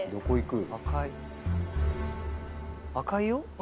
赤いよ。え！